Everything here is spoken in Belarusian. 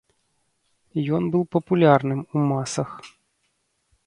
Ён быў папулярным у масах.